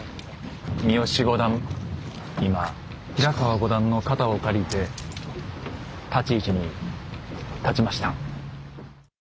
三好五段今平川五段の肩を借りて立ち位置に立ちました。